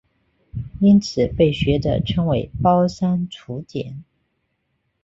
因此被学者称为包山楚简。